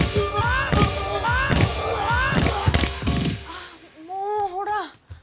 あもうほら。